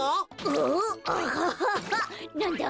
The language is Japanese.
おっアハハハハなんだ？